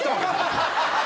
ハハハハ！